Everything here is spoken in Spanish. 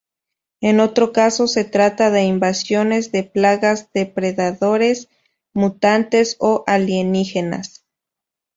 En otro caso se trata de invasiones de plagas, depredadores, mutantes o alienígenas.